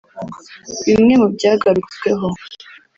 Bimwe mu byagarutsweho